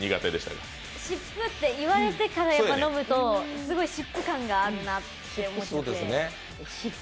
湿布って言われてから飲むとすごい湿布感があるなと思っちゃって。